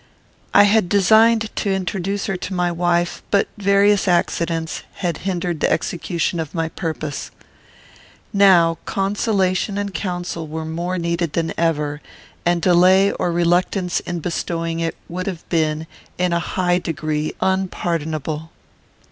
I had designed to introduce her to my wife, but various accidents had hindered the execution of my purpose. Now consolation and counsel were more needed than ever, and delay or reluctance in bestowing it would have been, in a high degree, unpardonable.